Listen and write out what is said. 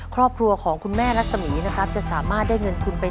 ครอบครัวของคุณแม่รัฐสมียนะครับจะสามารถได้เงินทุนไปด้วยนะครับ